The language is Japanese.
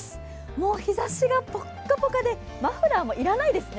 もう日ざしがぽっかぽかでマフラーも要らないですね。